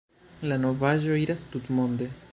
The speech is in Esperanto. La novaĵo iras tutmonde.